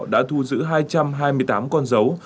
đã thu giữ hai trăm hai mươi tám con dấu